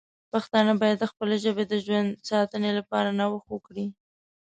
پښتانه باید د خپلې ژبې د ژوند ساتنې لپاره نوښت وکړي.